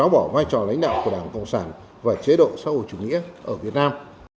bỏ vai trò lãnh đạo của đảng cộng sản và chế độ xã hội chủ nghĩa ở việt nam